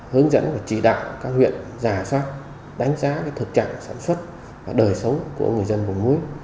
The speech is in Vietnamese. hướng dẫn và chỉ đạo các huyện giả soát đánh giá thực trạng sản xuất và đời sống của người dân vùng muối